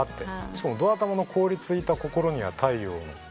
しかもど頭の「凍りついた心には太陽を」